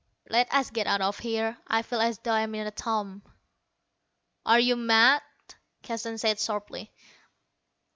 "Let us get out of here. I feel as though I'm in a tomb." "Are you mad?" Keston said sharply.